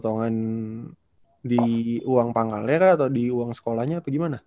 ada uang pengalaman di uang pangalnya kak atau di uang sekolahnya atau gimana